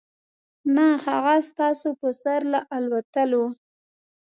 نه هغه ستاسو په سر له الوتلو .